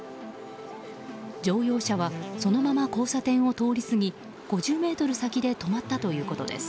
乗用車はそのまま交差点を通り過ぎ５０ｍ先で止まったということです。